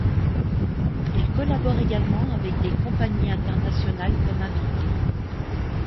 Il collabore également avec des compagnies internationales comme invité.